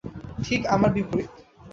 ঠিক আমার বিপরীত।